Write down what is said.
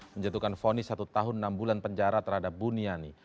menjatuhkan fonis satu tahun enam bulan penjara terhadap buniani